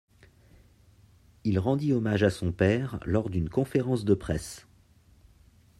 Il rendit hommage à son père lors d'une conférence de presse.